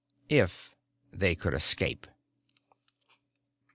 If they could escape.